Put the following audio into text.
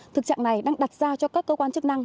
thực trạng này đang đặt ra cho các cơ quan chức năng